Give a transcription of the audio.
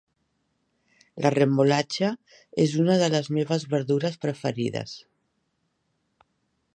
La remolatxa és una de les meves verdures preferides